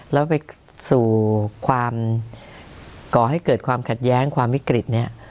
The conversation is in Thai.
แล้วไปสู่ก่อให้เกิดความขัดแย้งความวิกฤต